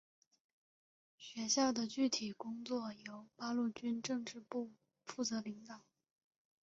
学校的具体工作由八路军政治部负责领导。